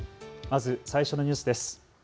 まず最初のニュースです。